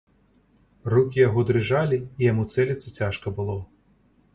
Рукі яго дрыжалі, і яму цэліцца цяжка было.